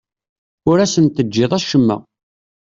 Ur asen-teǧǧiḍ acemma.